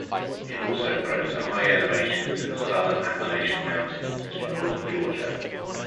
It also grows at high elevations in the southern Appalachian Mountains to northern Georgia.